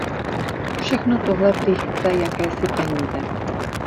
Všechno tohle prý chce jakési peníze.